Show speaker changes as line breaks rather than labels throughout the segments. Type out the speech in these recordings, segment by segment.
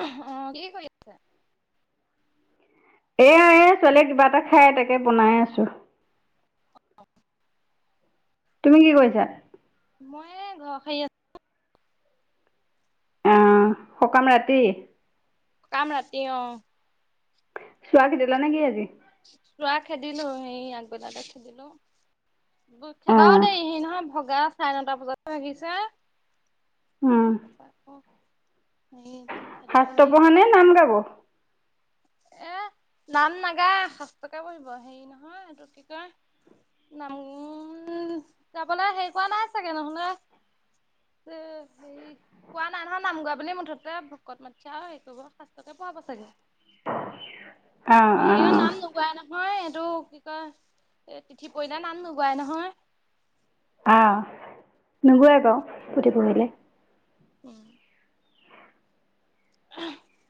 অহ কি কৰি আছে।
এয়া এ ছোৱালীয়ে কিবা এটা খাই এ তাকে বনাই আছো। তুমি কি কৰিছা।
মই ঘৰৰ হাৰি আছো।
অহ সকাম ৰাতি।
সকাম ৰাতি অ।
চুৱ কি দিলা নে কি আজি।
ৰোৱা খেদিলো সেই আগবেলাতে খেদিলো। খেদাও
আহ
দেই নহয় ভগা চাৰে নটা বজাত আহিছে।
উম। শাস্ত্ৰ
[unintelligible]
পঢ়া নে নাম গাব?
নাম নাগা শাস্তকে পঢ়িব হেৰি নহয় এইটো কি কয়। নাম তাৰপোনে হেৰি কৰোৱা নাই চাগে নহলে। এ হেৰি কোৱা নাই নহয় নাম গোৱা বুলি মুঠতে ভকত মাতিছা আৰু হেই কৰিব শাস্তকে। পাব চাগে।
অ [unintelligible]
নাম গুৱা নহয়। নহয় এইটো কি কয় এ তিথি পৰিল ৰ নাম নুগোৱাই নহয়।
আহ নুগোৱাই ক পুথি পঢ়িলে।
উ'ম।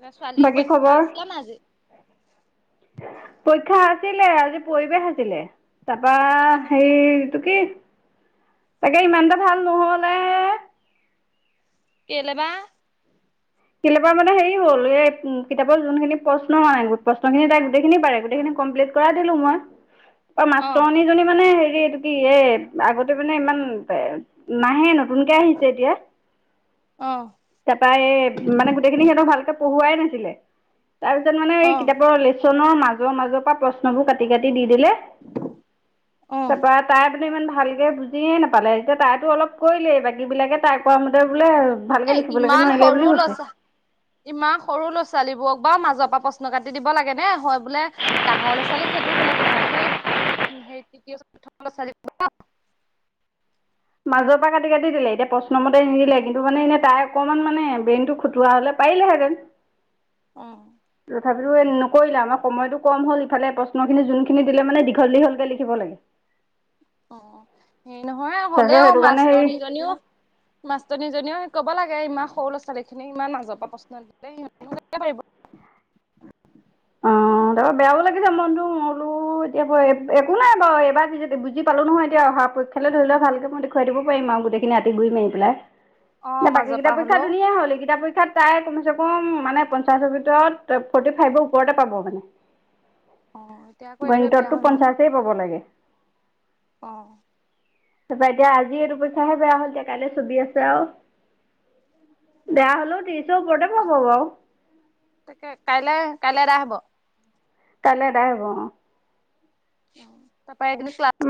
ত ছোৱালী
বাকী
পৰীক্ষা
খবৰ?
আছিলে নাই আজি।
পৰীক্ষা আছিলে আজি পৰিৱেশ আছিলে। তাৰপৰা
তাৰপা কেনেকুৱা
সেইটো কি। তাকে ইমানতে ভাল নহলে।
কেলে বা।
কেলে বা মানে হেৰি হল, এই উ কিতাপৰ যোনখিন প্ৰশ্ন মানে প্ৰশ্ন খিনি তাই গোটেইখিনি পাৰে গোটেইখিনি। কমপ্লিট কৰাই দিলোঁ মই। বা
অ
মাষ্টৰণীজনী মানে হেৰি এইটো কি এ আগতে মানে ইমান এ নাহে ন। নতুনকে আহিছে এতিয়া,
অ
তাৰপা এই। সেইখিনি সিহতক ভালকে পঢ়ুৱাই নাছিলে তাৰ পিছত মানে এই
অ
কিতাপৰ ল। মাজৰ মাজৰ পৰা প্ৰশ্নবোৰ কাটি কাটি দি দিলে
অ
তাৰ পৰা তাৰ তাই। ইমান ভালকে বুজিয়ে নাপালে এতিয়া তাইতো অলপ কৰিলেই বাকী বিলাকে তাই কৰোৱা মতে বোলে। ভালকে
এ
লিখিবলৈ কে
ইমান
নোৱাৰিলে বুলি
সৰু
কৈছে।
ল'ৰা ইমান সৰু ল'ৰা ছোৱালীবোৰক বাৰু মাজৰ পৰা প্ৰশ্ন কাটি দিব লাগে নে, হয় বোলে ডাঙৰ লৰা ছোৱালী। সেইটো বেলেগ কথা সেই সেই তৃতীয় চ।
উ [unintelligible] মাজৰ পৰা কাটি কাটি দিলে এতিয়া প্ৰশ্নমতে নিদিলে কিন্তু মানে এনেই তাই অকনমান মানে ব্ৰেইনটো খুটোৱা হলে। পাৰিলে হেঁতেন।
অ
তথাপিতো নকৰিলা আমাৰ সময়তটো কম হ'ল ইফালে প্ৰশ্ন খিনি যোনখিনি দিলে মানে দীঘল দীঘলকে লিখিব লাগে। [unintelligible]
অ সেই নহয়
তাৰপিছত
হ'লেও
সেইটো কাৰণে হেৰি
মাষ্টনীজনীও, মাষ্টনীজনীও। ক'ব লাগে ইমান সৰু ল' ছোৱালী খিনিক ইমান মাজপৰাপ্ৰশ্ন দিলে সি।
অ। তাৰ বেয়াও লাগিছে মনটো মোৰ বোলো এতিয়া একো নাই বাৰু এবাৰ বুজি পালো নহয় এতিয়া অহা। পৰীক্ষা লে ধৰি লও ভালক মই দেখুৱাই দিব পাৰিম আৰু গোটেই খিনি আতি গুৰি মাৰি পেলাই।
অ
ন বাকী
মাজৰ
কেইটা
পৰা
পৰীক্ষা
হ'লেও
ধুনিয়া হ'ল এইকেইটা পৰীক্ষা। তাই কমচে কম মানে পঞ্চাছ ভিতৰত ফৰ্টি ফাইভৰ ওপৰতে পাব মানে।
অ এতিয়া আকৌ এইটোৱে বেয়া
গণিতটো পঞ্চাশই পাব লাগে
অঁ
তাৰপা এতিয়া আজি এইটো পৰীক্ষা বেয়া হ'ল এতিয়া কাইলে ছবি আছে আৰু
অ
বেয়া হলেও ত্ৰিশ ওপৰতে পাব বাৰু
কাইলৈ আদায় হব্
কাইলে এদাই হব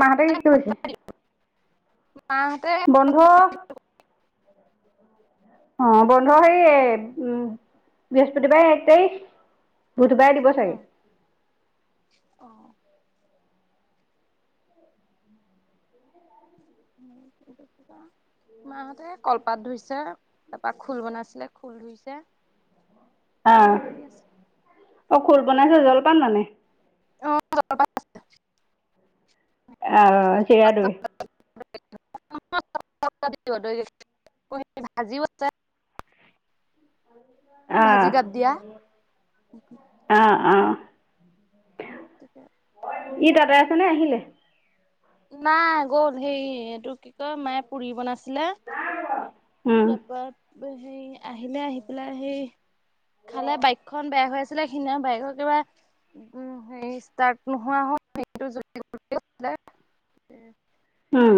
মাহঁতে কি কৰিছে
মাহঁতে
বন্ধ অ বন্ধ হে উম বৃহস্পতিবাৰে এক তাৰিখ বুধবাৰে দিব চাগে
অ অ [unintelligible] মাহঁতে কলপাত ধুইছে তাৰপা খোল বনাইছিলে খোল ধুইছে সেইবোৰ
আহ
কে কৰি আছে।
অ খোল জলপান মানে
[unintelligible]
আহ চিৰা দৈ।
[unintelligible]
আহ
ভাজি গাপ দিয়া
উম
তোকে
ই তাতেই আছ নে আহিলে
নাই গ'ল হি এইটো কি কয় মায়ে পুৰি বনাছিলে
উম
তাৰপৰা সেই আহিলে আহি পেলাই সেই খালে বাইকখন বেয়া হৈ আছে সেইদিনা বাইকৰ কিবা উ হেৰি ষ্টাৰ্ট নোহোৱা হল
উম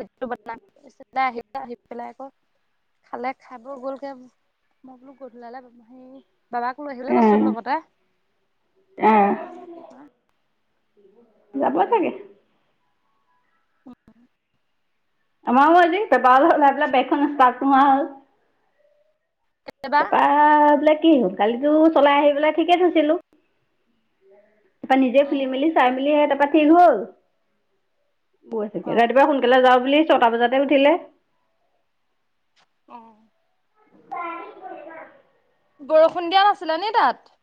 [unintelligible] [unintelligible] দ আহি আহিপেলাই আকৌ খালে খাব গলকে মই বোলো গধূলালে সেই বাবাক লৈ আহিলে কচোন
আহ
লগতে
আহ যাব চাগে
অ
[unintelligible]
এইবা
তা পা বো কি হ'ল কালিতো চলাই আহি পেলাই ঠিকে থৈছিলো তাপা নিজে
অ
খুলিমিল চাই মি হে তাপা ঠিক হ'ল বৈ থাগে
অ
ৰাতিপুৱা সোনকালে যাওঁ বুলি ছটা বজাতে উঠিলে
আহ
ব কৰি না
বৰষুণ দিয়া নাছিলে নি তাত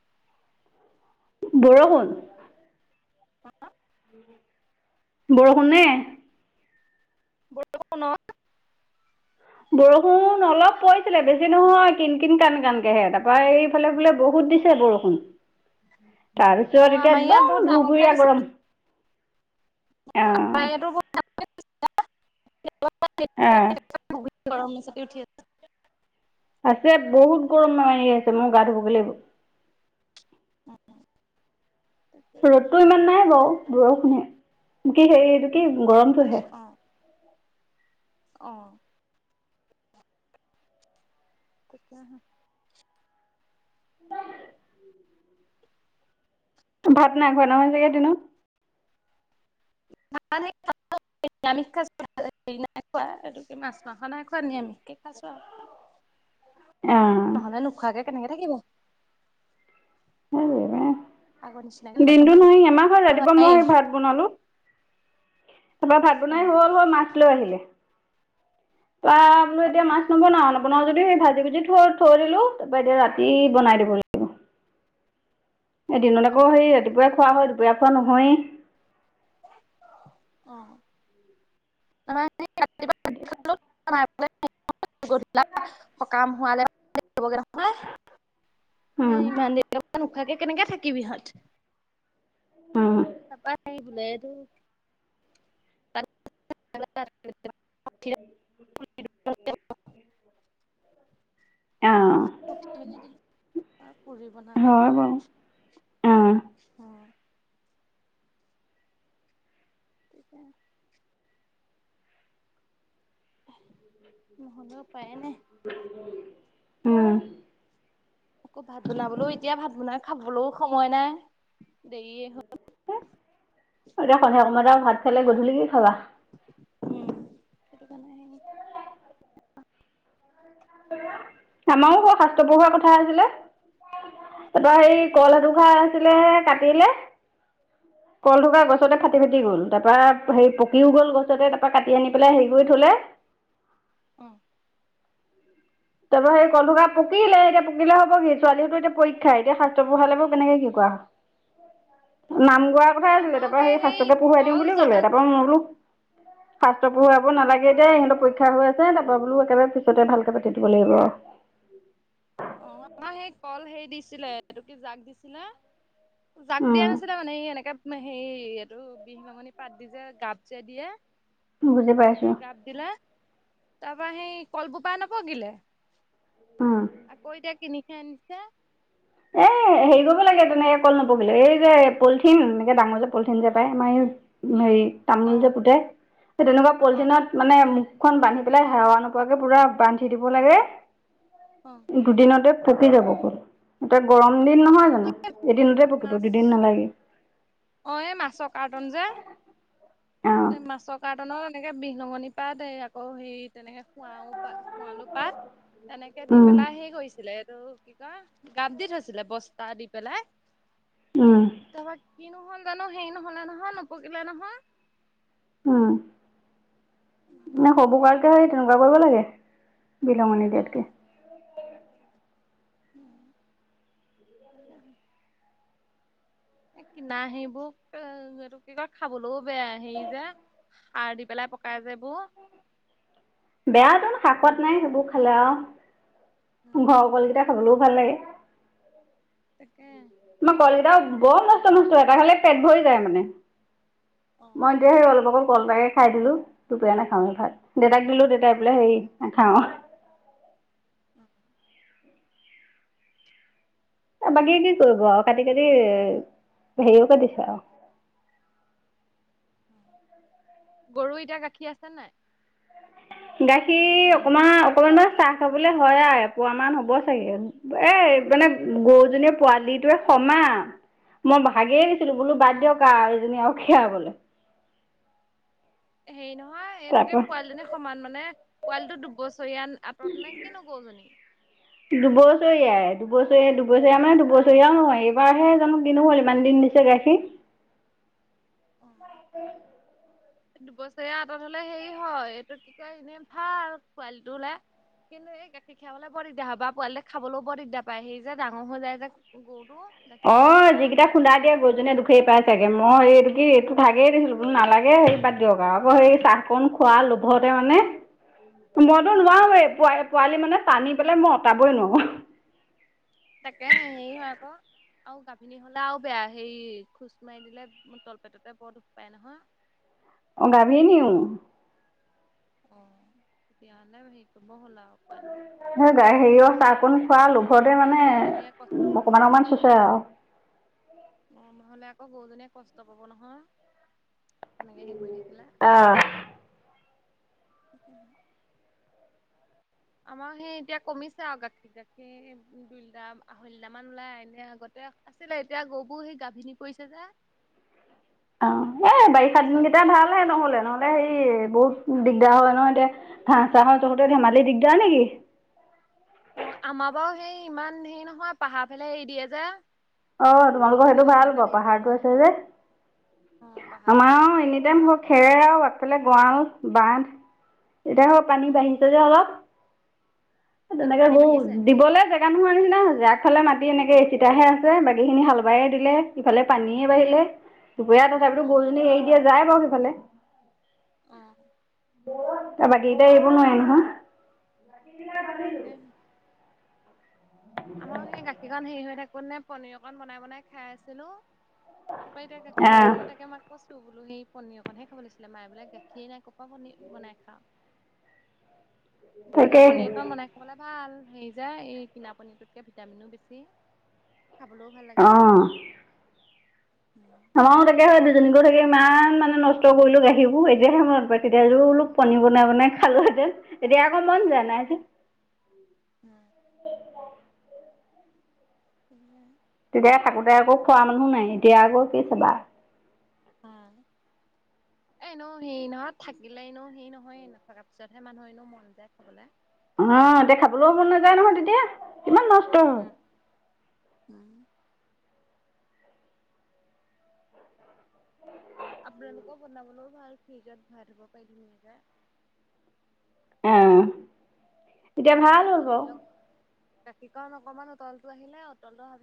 বৰষুন
হ
বৰষুণ নে
বৰষুণ
বৰষুণ অলপ পৰিছিলে বেছি নহয় কিন কিন কান কানকেহে তাৰপৰা এইফালে বোলে বহুত ত দিছে বৰষুণ
অ
তাৰপিছত এতিয়া
আমাৰ ইয়াত
একদম
বহুত ডাঙৰকে
ভুভুৰীয়া
দিছিলে
গৰম অ
[unintelligible]
অ
[unintelligible]
আছে বহুত গৰম ম মানি আছে মই গা ধুব লাগিব
উম
ৰ'দতটো ইমান নাই বাৰু বৰষুণে কি হে এইটো কি গৰমটো আহে [inaudible]
আহ [inaudible]
ভাত নাই খোৱা নহয় চাগে দিনত
[inaudible] নিৰামিষ খাইছো হে নাই খোৱা এইটোকে মাছ মাংস নাই খোৱা নিৰামিষকে খাইছো আৰু
[inaudible] অ
নহলে নোখোৱাকে কেনেকে থাকিম?
দিনটো নহয় এমাহত ৰাতিপুৱা নোৱাৰি ভাত বনালো ভাত বনাই
উম,
হল হয় মাছ লৈ আহিলে? তো এতিয়া মাছ নবনাও নবনাও যদি সেই ভাজি ভুজি থ থৈ দিলো তাৰপৰা এতিয়া ৰাতি বনাই দিব লাগিব অঁ এদিনত
অ'।
আকৌ হেই ৰাতিপুৱাই খোৱা হয় দুপৰীয়া খোৱা নহয়েই
অ [inaudible] এ
অঁ
ইমান দেৰি পৰা নোখাবাকে কেনেকে থাকিবি ইহঁত
উম
চপা ন বুলাই তো [unintelligible]
[unintelligible]
ঠ মেলি দিলো পুৰি বনালে
হয় বাৰু উম,
অ ঠিকে নহ'লে উপায়ে নাই।
উ
আকৌ ভাত বনাবলৈও এতিয়া ভাত বনাই খাবলৈও সময় নাই দেৰীয়ে হল
এতিয়া সন্ধে কত ভাত খালাই গধূলিকেই খাবা
উম সেইটো কাৰনে আহে
আমাৰো বৰ শাস্ত্ৰ পঢ়ুৱা হোৱা কথা আছিলে তাৰপৰা সেই কল এথোকা ভাল আছিলেহে কাটিলে কল কা গছতে ফাটি ফাটি গ'ল তাৰপৰা হেৰি পকিও গ'ল গছতে তাৰ পৰা কাটি আনি পেলাই হেৰি কৰি থলে [inaudible]
আহ
তাৰ পৰা সেই কল থোকা পকিলে এতিয়া পকিলে হব কি ছোৱালীহতৰ এতিয়া পৰীক্ষা এতিয়া শাস্ত্ৰ পঢ়ালে বৰ কেনেকে কি কৰা
অ
[inaudible] নাম গোৱাৰ
তাকে
কথাই আছিলে
আমাৰো
তাৰ পৰা সেই
হেৰি
শাস্ত্ৰকে পঢ়োৱাই দিওঁ
কল
বুলি
জা
কলে তাৰপৰা মই বোলো। শাস্ত্ৰ পঢ়াব নালাগে এয়া ইহঁতৰ পৰীক্ষা হৈ আছে তাৰ পৰা বোলো একবাৰে পিছতে ভালকে পাতিম [unintelligible]
অ আমাৰ সেই কল হেৰি দিছিলে এই ত কি জাক দিছিলে জাক
উম
দিয়া নাছিলে মানে এই হেনেকে হেই আৰু বিলঙনি পাত দি যে গাপ যে দিয়ে।
বুজি পাইছো
তেনেকে গাপ দিলে তাৰ পৰা সেই কলবোপা নপগিলে
অ-
আকৌ এতিয়া কিনি হে আনিছে।
এ হেৰি কৰিব লাগে তেনেকে কল নপকিলে এই যে পলিথিন এনেকে ডাঙৰ যে পলিথিন যে পায় আমাৰ এই হেৰি তামোল
অ
যে পোতে তেনেকুৱা
অ
পলিথিনত মানে মুখখন বান্ধি পেলাই হেৱা নোপোৱাকে পুৰা বান্ধি দিব লাগে
অ
দুদিনতে পকি যাব কল এতিয়া গৰম দিন নহয় জানো এদিনতে পকিব
মাছ
দুদিন নালাগে।
অ এই মাছৰ কাৰ্টন যে
অঁ
এ মাছৰ কাৰ্টনৰ এনেকৈ বিলঙনি পাত আকৌ হেৰি তেনেকৈ খুৱাও খুৱালোঁ [unintelligible] পাত তেনেকে দি পেলাই সেই কৰিছিলে এইটো কি ক গাপ দি থৈছিল ছিলে বস্তা দি পেলাই তাৰপা কিনো হল জানো হেইৰি নহলে নহয় নপকিলে নহয় [unintelligible]
উম নে সব কাৰকে হ তেনেকুৱা কৰিব লাগে বিলঙণি
অ
দিয়াতকে [unintelligible]
উম এ কিনা সেইবোৰ এইটো কি কয় খাবলৈও বেয়া হে যে সাৰ দি পেলাই পকাই যেবোৰ
বেয়া তোন শাক পোৱাত নাই সেইবোৰ খালে আৰু ঘৰ কল কেইটা খাবলৈও ভাল লাগে।
তাকে
মই কলকেইটা বৰ মস্ত মস্ত এটা খালে পেট ভৰী যায় মানে মই এতিয়া হেই অলপ আগত। [unintelligible] কল তাকে খাই দিলো দুপৰিয়া নাখাওঁ এই ভাত দেউতাক দিলো দেউতাই এই বোলে হেৰি নাখাওঁ [inaudible]
উম
বাকী কি কৰিব আৰু কাটি-কাটি হেৰি হকে দিছো আৰু [inaudible]
গৰু এতিয়া গাখীৰ আছে নাই?
গাখীৰ অকমান-অকমান চাহ খাবলৈ হয় আৰু, এপোৱা মান হ'ব চাগে, এ মানে গৰুজনীয়ে পোৱালিটোৱে সমান, মই ভাগেই ছিলো, বোলো
অ
বাদ দিয়ক আৰু এইজনী আৰু খিৰাবলে।
হেৰি নহয় হয়, এইটোকে পোৱালিজনী সমান মানে পোৱালিটো দুবছৰীয়া আঁতৰত মানে কিনো গৰুজনী।
[unintelligible] দুবছৰীয়াই-দুবছৰীয়া-দুবছৰীয়া মানে দুবছৰীয়াও নহয়, এইবাৰহে জানো দিনো হ'ল ইমান দিন দিছে গাখীৰ। [inaudible]
দুবছৰীয়া আঁতৰত হ'লে হেৰি হয়, এইটো কি কয় এনে ভাল পোৱালিটো লে কিন্তু এই গাখীৰ খিয়াবলৈ বৰ দিগদাৰ হয় বা পোৱালি লে খাবলৈও বৰ দিগদাৰ পায়, সেই যে ডাঙৰ হৈ যায় যে গৰুটো।
অ,
গাখীৰ খাবলৈ পায়
যিকেইটা খুন্দা দিয়ে গৰুজনীয়ে দুখেই পাই চাগে, মই এইটো কি এইটো ভাগেই দিছিলো। নালাগে হেৰি বাদ দিয়ক আৰু আকৌ সেই চাহকণ খোৱা লোভতে মানে মইতো নোৱাৰো এই পোৱা -পোৱালি মানে টানি পেলাই মই আতৰাবই নোৱাৰো।
তাকে হে, হেৰি হয় আকৌ আৰু গাভিনী হ'লে আৰু বেয়া হেই খোজ মাৰি দিলে তলপেটতে বৰ দুখ পায় নহয়।
অ গাভিনী
অ, তেতিয়া হ'লে সেই কৰি
সেই গাই হেৰিয়ৰ
নহ'লে কি
চাহকণ খোৱা
নহয়
লোভতে মানে
গৰুজনীয়ে কষ্ট পাব নহয়
অকমান-অকমান চুচৰাও
অ, নহ'লে আকৌ গৰুজনীয়ে কষ্ট পাব নহয়। সেনেকে হেৰি কৰি থাকিলে সিকয় [inaudible] আমাৰ সেই এতিয়া কমিছে আৰু গাখীৰ গাখীৰ দুই লিটাৰ, আঢ়ৈ লিটাৰ মান ওলাই এনে আগতে আছিলে, এতিয়া গৰুবোৰ সেই গাভিনী পৰিছে যে
অ,
এতিয়া
এই
গাখীৰ
বাৰিষা
কমিছে
দিন
আৰু
কেইটা ভাল হে নহলে নহলে হেৰি বহুত দিগদাৰ হয়, নহয় এতিয়া ভা চা তহতে ধেমালি দিগদাৰ নেকি?
অ, আমাৰ বাৰু সেই ইমান হেৰি নহয় পাহাৰ ফালে এৰি দিয়ে যে
অ, তোমালোকৰ সেইটো
বাবা
ভাল
পাহাৰ
হ'ব,
এৰি থৈ
পাহাৰটো
আহেগে
আছে যে।
অ পাহাৰ ফালে এৰি
আমাৰ
থৈ
এনি টাইম
আহেগে
হ খেৰ আৰু আগফালে গঁৰাল, বান্ধ এতিয়া হ পানী
উম
বাঢ়িছে যে অলপ।
এতিয়া
তেনেকে
পানী
গৰু,
বাঢ়িছে
দিবলে জেগা নোহোৱাৰ নিচিনা হৈ যায়। ইফালে মাটি এনেকে এচিতাহে আছে, বাকী খিনি হাল বাই দিলে, ইফালে পানীয়ে বাঢ়িলে। বেয়া তথাপিতো
অ
গৰুজনী এৰি দিয়া যায় বাৰু সেইফালে।
অ
তাৰ বাকীকেইটা এৰিব নোৱাৰি নহয়।
তাকেনো আমাৰ সেই গাখীৰকণ হেৰি হৈ থাকোতে পনিৰ অকন বনাই-বনাই খাই আছিলো। তাৰপৰা এতিয়া গাখীৰ নাই,
আহ
মই তাকে মাক কৈছো। ত বোলো সেই পনিৰ অকনহে খাব লাগিছিলে। মায়ে বোলে গাখীৰেই নাই ক'ৰ পৰা পনিৰ বনাই খাওঁ?
হয় [inaudible]
ঘৰতে পনিৰ কণ বনাই খাবলৈ ভাল। হেৰি যে, এই কিনা পনিৰটোতকে ভিটামিনো বেছি। খাবলো ভাল লাগে।
অঁ
অ',
আমাৰো তাকে হয়, দুজনী গৰু থাকি ইমান মানে নষ্ট কৰিলো গাখীৰবোৰ, এতিয়াহে মনত পৰে, তেতিয়া বোলো প পনিৰ বনাই-বনাই খালোহেতেন, এতিয়া আ কে মন জানাই আজি [unintelligible]
এইয়া
তেতিয়া থাকোতে আকৌ খোৱা মানুহ নাই এতিয়া আকৌ কি চাবা [inaudible]
অ'। এনেও হে নহয় থাকিলে এনেও হেই নহয় নথকাৰ পিছতহে মানুহ এনো মন যায় কবলৈ [unintelligible]
অ দেখাবলৈও মন নাযায় নহয় তেতিয়া ইমান নষ্ট
উম [inaudible] আপোনালোকক বনাবলৈও ভাল ফিজত ভাৰব পাই ধুনীয়াকৈ [unintelligible]
আহ এতিয়া ভাল হ'ব
গাখীৰ অনণ অকনমান উতল টো আহিলে উতলটো অ [unintelligible]